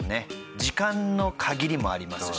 時間の限りもありますし。